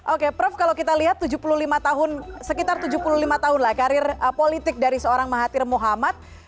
oke prof kalau kita lihat tujuh puluh lima tahun sekitar tujuh puluh lima tahun lah karir politik dari seorang mahathir muhammad